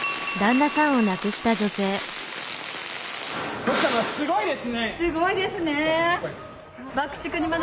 奥様すごいですね！